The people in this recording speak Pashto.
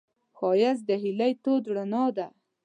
ښایست د هیلې تود رڼا ده